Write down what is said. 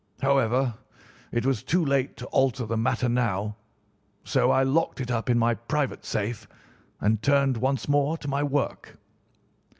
However, it was too late to alter the matter now, so I locked it up in my private safe and turned once more to my work.